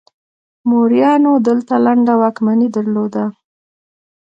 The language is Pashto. موریانو دلته لنډه واکمني درلوده